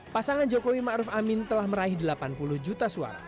pasangan jokowi ma'ruf amin telah meraih delapan puluh juta suara